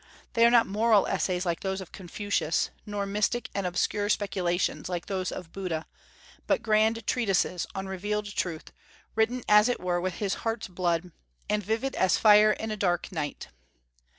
They are not moral essays like those of Confucius, nor mystic and obscure speculations like those of Buddha, but grand treatises on revealed truth, written, as it were, with his heart's blood, and vivid as fire in a dark night.